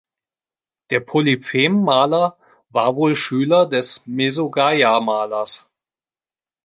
Der Polyphem-Maler war wohl Schüler des Mesogeia-Malers.